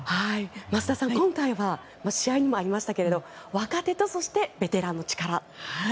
増田さん、今回は試合にもありましたけれど若手とそしてベテランの力ですね。